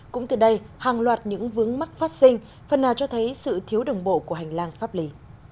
cũng từ đây hàng loạt những vướng mắc phát sinh phần nào cho thấy sự thiếu đồng bộ của hành lang pháp lý